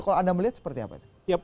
kalau anda melihat seperti apa itu